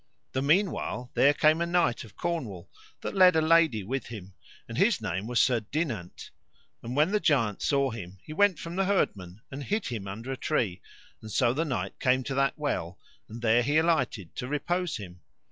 The meanwhile there came a knight of Cornwall that led a lady with him, and his name was Sir Dinant; and when the giant saw him he went from the herdmen and hid him under a tree, and so the knight came to that well, and there he alighted to repose him.